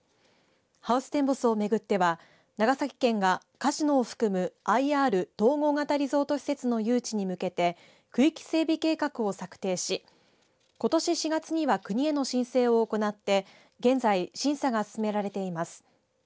ハウステンボスを巡っては長崎県がカジノを含むＩＲ統合型リゾート施設の誘致に向けて区域整備計画を策定しことし４月には国への申請を行って現在、審査が進められています。